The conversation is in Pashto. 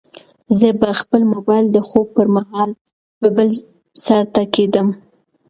زه به خپل موبایل د خوب پر مهال په بل سرته کېږدم.